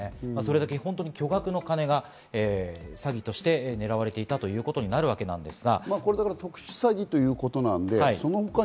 それだけ本当に、巨額の金が詐欺として狙われていたということになるわけですが。